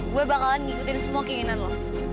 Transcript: gue bakalan ngikutin semua keinginan lo